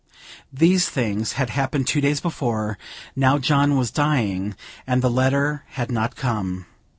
These things had happened two days before; now John was dying, and the letter had not come.